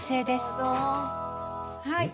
はい。